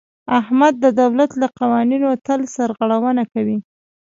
احمد د دولت له قوانینو تل سرغړونه کوي.